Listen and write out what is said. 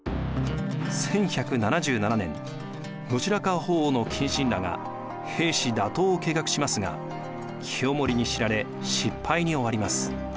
１１７７年後白河法皇の近臣らが平氏打倒を計画しますが清盛に知られ失敗に終わります。